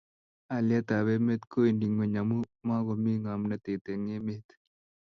halyet ab emet kowendi ngweny amu makomi ngomnatet eng' emet